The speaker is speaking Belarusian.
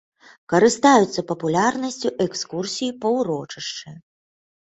Карыстаюцца папулярнасцю экскурсіі па ўрочышчы.